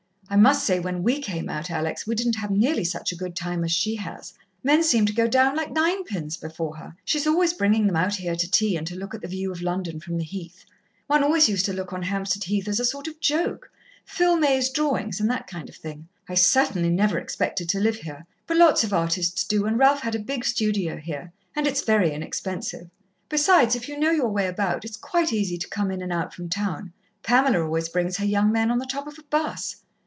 I must say, when we came out, Alex, we didn't have nearly such a good time as she has. Men seem to go down like ninepins before her. She's always bringing them out here to tea, and to look at the view of London from the Heath. One always used to look on Hampstead Heath as a sort of joke Phil May's drawings, and that kind of thing. I certainly never expected to live here but lots of artists do, and Ralph had a big studio here. And it's very inexpensive. Besides, if you know you way about, it's quite easy to come in and out from town. Pamela always brings her young men on the top of a 'bus.